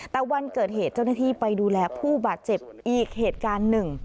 แต่วันเกิดเหตุเจ้าหน้าที่ไปดูแลผู้บาดเจ็บอีกเหตุการณ์หนึ่ง